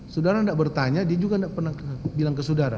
saudara tidak bertanya dia juga tidak pernah bilang ke saudara